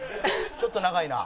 ちょっと長いな。